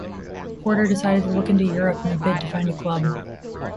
Porter decided to look to Europe in a bid to find a club.